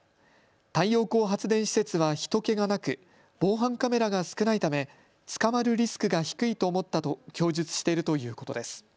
太陽光発電施設は人けがなく防犯カメラが少ないため捕まるリスクが低いと思ったと供述しているということです。